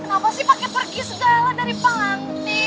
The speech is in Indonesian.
kamu gak tau kemana aura pergi kalau misalnya aura lagi pengen begini